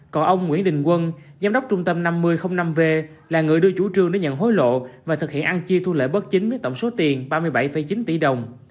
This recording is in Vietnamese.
còn ông nguyễn đình quân giám đốc trung tâm năm nghìn năm v là người đưa chủ trương đến nhận hối lộ và thực hiện ăn chia thu lợi bất chính với tổng số tiền ba mươi bảy chín tỷ đồng